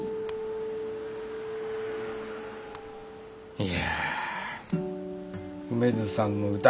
いや梅津さんの歌